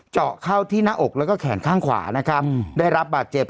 เจาะเข้าที่หน้าอกแล้วก็แขนข้างขวานะครับได้รับบาดเจ็บ